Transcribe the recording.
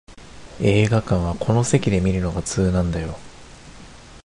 映画館はこの席で観るのが通なんだよ